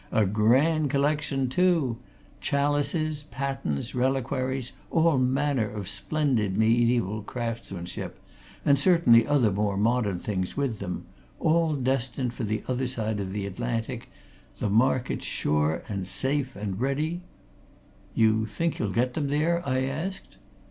"A grand collection, too chalices, patens, reliquaries, all manner of splendid mediaeval craftsmanship and certain other more modern things with them all destined for the other side of the Atlantic the market's sure and safe and ready " "You think you'll get them there?" I asked.